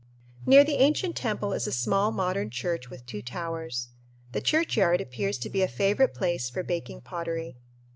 Near the ancient temple is a small modern church with two towers. The churchyard appears to be a favorite place for baking pottery.